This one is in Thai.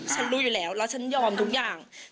ฉันรู้อยู่แล้วแล้วฉันยอมทุกอย่าง